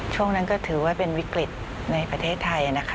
ช่วงนั้นก็ถือว่าเป็นวิกฤตในประเทศไทยนะคะ